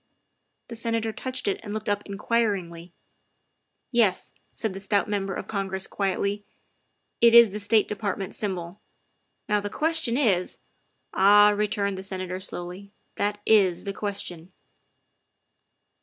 The Senator touched it and looked up in quiringly. " Yes," said the stout Member of Congress quietly, 60 THE WIFE OF "it is the State Department symbol. Now the ques tion is " "Ah," returned the Senator slowly, " that is the question.